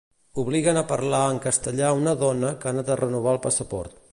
Obliguen a parlar en castellà una dona que ha anat a renovar el passaport.